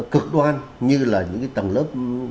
cực đoan như là những cái tầng lớp